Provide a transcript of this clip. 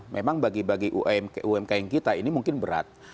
memang bagi bagi umkm kita ini mungkin berat